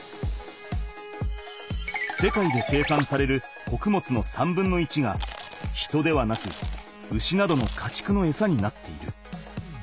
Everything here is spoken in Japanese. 世界で生産されるこくもつの３分の１が人ではなく牛などのかちくのエサになっている。